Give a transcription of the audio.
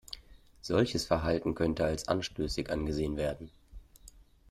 Solches Verhalten könnte als anstößig angesehen werden.